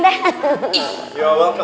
udah ada di youtube belum po